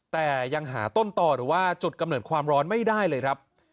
แต่ยังหาต้นต่อหรือว่าจุดกำเนิดความร้อนไม่ได้เลยครับ